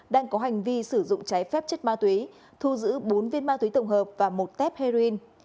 đang có hành vi sử dụng cháy phép chất ma túy thù dự bốn viên ma túy tổng hợp và một tép heroin